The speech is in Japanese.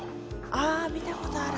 ああ見たことある。